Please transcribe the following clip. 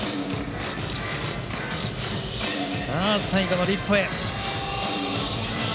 最後のリフトへ。